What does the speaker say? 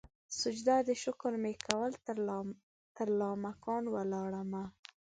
سجده د شکر مې کول ترلا مکان ولاړمه